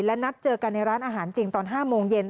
และนัดเจอกันในร้านอาหารจริงตอน๕โมงเย็น